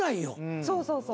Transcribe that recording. そうそうそう。